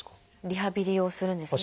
リハビリをするんですね。